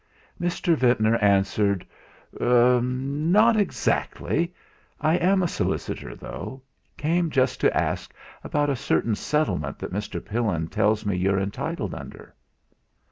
Mr. Ventnor answered: "Er not exactly. I am a solicitor though; came just to ask about a certain settlement that Mr. Pillin tells me you're entitled under."